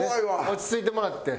落ち着いてもらって。